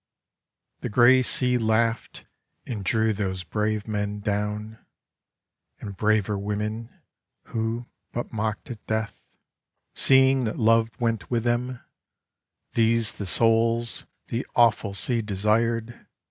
The grey Sea laughed — and drew those brave men down. And braver women who but mocked at Death, THE HARVEST OF THE SEA Seeing that Love went with them. These the souls The awful Sea desired